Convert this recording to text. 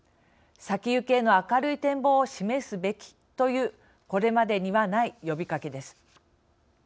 先行きへの明るい展望を示すべきというこれまでにはない呼びかけです。